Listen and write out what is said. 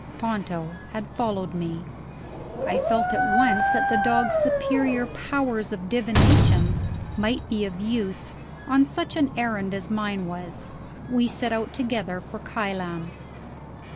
Ponto had followed me. I felt at once that the dog's superior powers of divination might be of use, on such an errand as mine was. We set out together for Kylam.